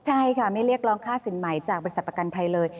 ใช่ค่ะไม่เรียกร้องค่าสินใหม่จากบริษัทประกันภัยเลย